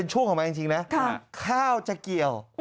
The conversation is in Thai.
ช่วงของมันจริงนะข้าวจะเกี่ยว